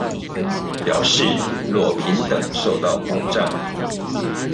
表示若平等受到保障